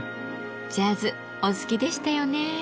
ジャズお好きでしたよね。